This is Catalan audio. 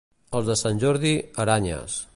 Els de Sant Jordi, aranyes.